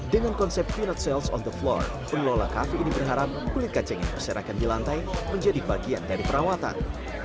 dengan konsep pinot sales on the floor pengelola kafe ini berharap kulit kacang yang berserakan di lantai menjadi bagian dari perawatan